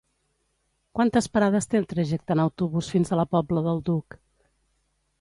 Quantes parades té el trajecte en autobús fins a la Pobla del Duc?